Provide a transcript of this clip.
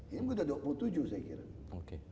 ini mungkin udah dua puluh tujuh saya kira